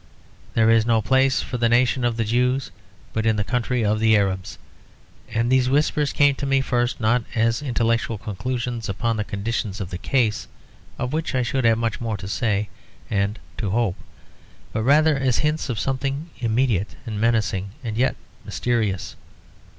There is no place for the nation of the Jews but in the country of the Arabs. And these whispers came to me first not as intellectual conclusions upon the conditions of the case, of which I should have much more to say and to hope; but rather as hints of something immediate and menacing and yet mysterious.